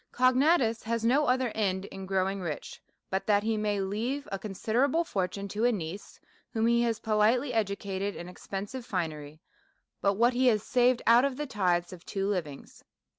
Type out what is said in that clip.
Cognatus has no other end in growing rich, but that he may leave a considerable fortune to a niece, whom he has politely educated in expensive finery by what he has saved out of the tithes of two livings.